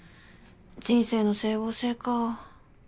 人生の整合性か。